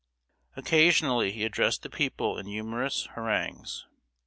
Occasionally he addressed the people in humorous harangues.